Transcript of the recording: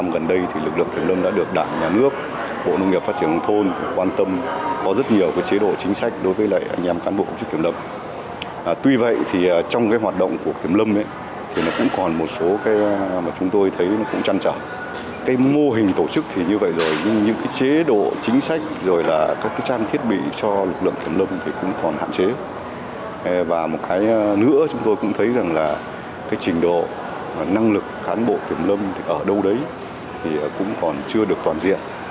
và một cái nữa chúng tôi cũng thấy rằng là cái trình độ năng lực khán bộ kiểm lâm ở đâu đấy thì cũng còn chưa được toàn diện